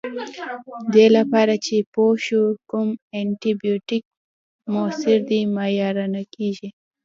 دې لپاره چې پوه شو کوم انټي بیوټیک موثر دی معاینه کیږي.